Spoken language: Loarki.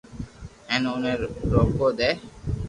ھين اوني روڪو دي